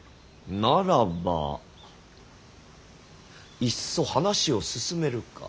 ならばいっそ話を進めるか。